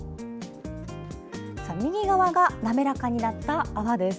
右側が滑らかになった泡です。